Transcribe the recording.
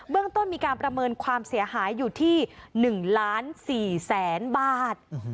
เรื่องต้นมีการประเมินความเสียหายอยู่ที่๑ล้าน๔แสนบาท